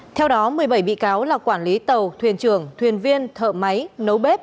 theo đó một mươi bảy bị cáo là quản lý tàu thuyền trưởng thuyền viên thợ máy nấu bếp